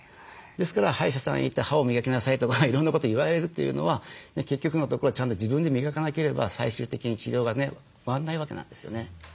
ですから歯医者さんへ行って歯を磨きなさいとかいろんなことを言われるというのは結局のところちゃんと自分で磨かなければ最終的に治療がね終わんないわけなんですよね。